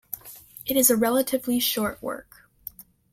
It is a relatively short work.